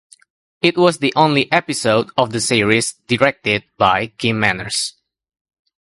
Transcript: It was the only episode of the series directed by Kim Manners.